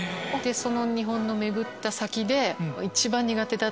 その日本の巡った先で。